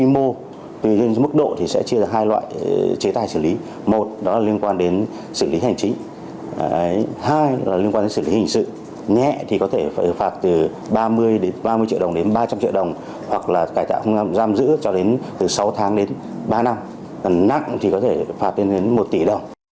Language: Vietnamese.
mình có thể đảm bảo kể một trăm hai mươi triệu đồng đến ba trăm linh triệu đồng hoặc là cán giam trák hoặc giam giữ cho đến từ sáu tháng đến ba năm nặng thì phải phạt đến đến một tỷ đồng